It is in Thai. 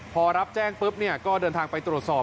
พอรับแจ้งปุ๊บก็เดินทางไปตรวจสอบ